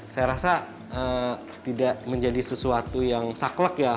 saya rasa tidak menjadi sesuatu yang saklek ya